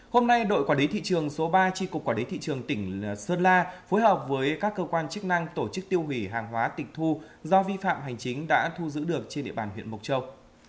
hôm nay đội quản lý thị trường số ba tri cục quản lý thị trường tỉnh sơn la phối hợp với các cơ quan chức năng tổ chức tiêu hủy hàng hóa tịch thu do vi phạm hành chính đã thu giữ được trên địa bàn huyện mộc châu